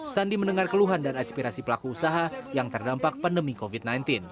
sandi mendengar keluhan dan aspirasi pelaku usaha yang terdampak pandemi covid sembilan belas